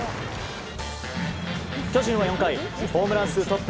巨人は４回ホームラン数トップ